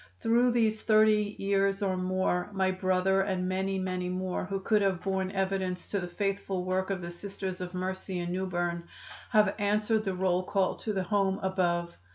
"Through these thirty years or more my brother and many, many more who could have borne evidence to the faithful work of the Sisters of Mercy in New Berne have answered the roll call to the Home above.